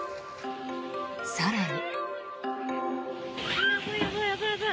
更に。